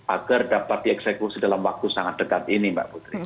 agar dapat dieksekusi dalam waktu sangat dekat ini mbak putri